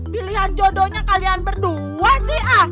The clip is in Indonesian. pilihan jodohnya kalian berdua sih ah